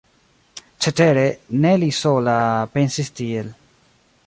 Cetere, ne li sola pensis tiel.